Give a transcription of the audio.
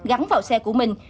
gắn vào xe của mình